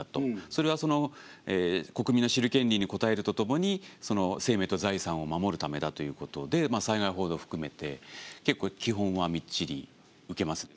それは国民の知る権利に応えるとともにその生命と財産を守るためだということで災害報道を含めて結構基本はみっちり受けますね。